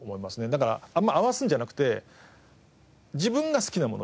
だからあんまり合わすんじゃなくて自分が好きなもの。